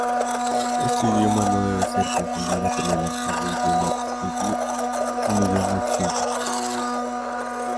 Este idioma no debe ser confundido con el antiguo idioma ligur, un idioma extinto.